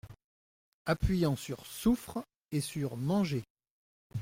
Appuyant sur "souffres" et sur "manger".